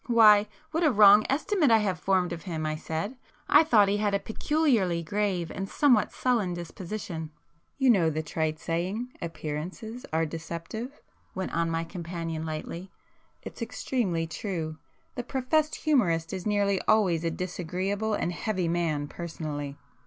"Why, what a wrong estimate I have formed of him!" I said—"I thought he had a peculiarly grave and somewhat sullen disposition." "You know the trite saying—appearances are deceptive?" went on my companion lightly—"It's extremely true. The professed humourist is nearly always a disagreeable and heavy man personally.